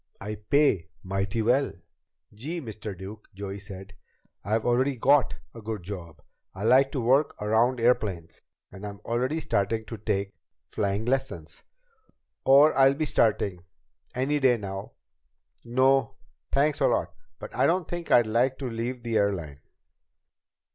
I pay mighty well." "Gee, Mr. Duke," Joey said, "I've already got a good job. I like to work around airplanes, and I'm already starting to take flying lessons. Or I'll be starting any day now. No thanks a lot but I don't think I'd like to leave the airline."